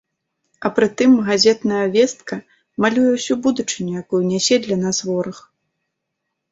А прытым, газетная вестка малюе ўсю будучыню, якую нясе для нас вораг.